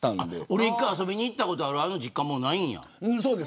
俺が１回遊びに行ったことあるあの実家はないんや。